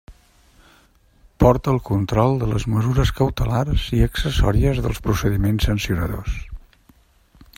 Porta el control de les mesures cautelars i accessòries dels procediments sancionadors.